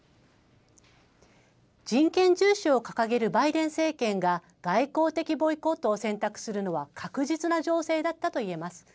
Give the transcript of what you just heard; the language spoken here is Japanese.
人権重視を掲げるバイデン政権が、外交的ボイコットを選択するのは、確実な情勢だったといえます。